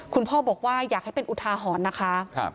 คุณพ่อบอกว่าอยากให้เป็นอุทาหรณ์นะคะ